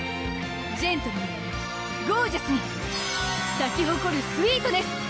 ジェントルにゴージャスに咲き誇るスウィートネス！